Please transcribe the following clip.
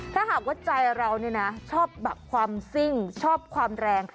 ถ้าหากว่าใจเราชอบแบบความซิ่งชอบความแรง